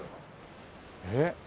えっ？